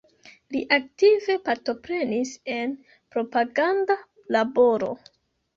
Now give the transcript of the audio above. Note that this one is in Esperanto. Li aktive partoprenis en propaganda laboro.